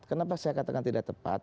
kenapa saya katakan tidak tepat